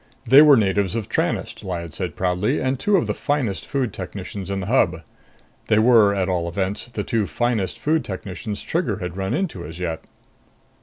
They were natives of Tranest, Lyad said proudly, and two of the finest food technicians in the Hub. They were, at all events, the two finest food technicians Trigger had run into as yet.